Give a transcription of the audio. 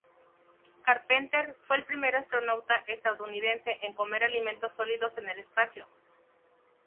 Carpenter fue el primer astronauta estadounidense en comer alimentos sólidos en el espacio.